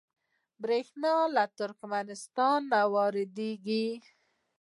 بریښنا له ترکمنستان واردوي